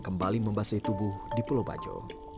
kembali membasahi tubuh di pulau bajo